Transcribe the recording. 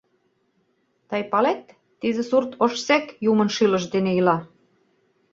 Тый палет, тиде сурт ожсек юмын шӱлыш дене ила.